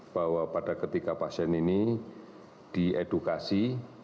bahwa pada ketika pasien ini diedukasi